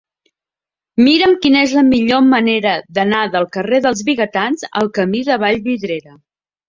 Mira'm quina és la millor manera d'anar del carrer dels Vigatans al camí de Vallvidrera.